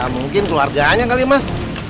mungkin keluarganya kali mas